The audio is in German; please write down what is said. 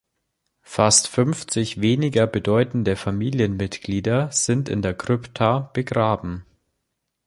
Fast fünfzig weniger bedeutende Familienmitglieder sind in der Krypta begraben.